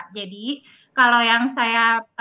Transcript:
jadi kalau yang saya